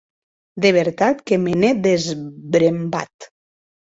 De vertat que me n’è desbrembat.